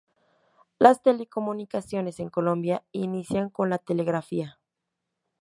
Las telecomunicaciones en Colombia inician con la telegrafía.